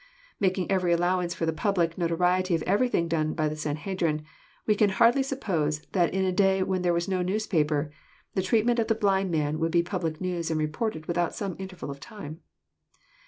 Making every allowance for the public notoriety of everything done by the Sanhedrim, we can hardly suppose that in a day when there was no newspaper, the treat ment of the blind man would be public news and reported with out some interval of time.